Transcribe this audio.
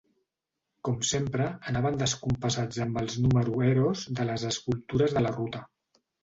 Com sempre, anaven descompassats amb els número eros de les escultures de la ruta.